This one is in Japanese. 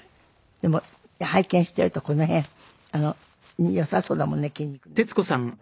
でも拝見しているとこの辺良さそうだもんね筋肉ね。